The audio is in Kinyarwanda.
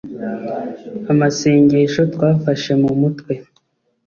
amasengesho twayafashe mu mutwe